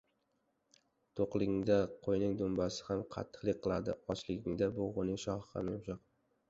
• To‘qligingda qo‘yning dumbasi ham qattiqlik qiladi, ochligingda bug‘uning shoxi ham yumshoq.